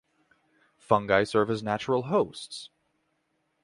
Fungi serve as natural hosts.